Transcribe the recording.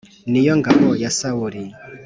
Ni yo ngabo ya Sawuli